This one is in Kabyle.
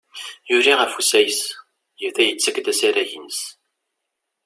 Yuli ɣef usayes, yebda yettakk-d asarag-ines.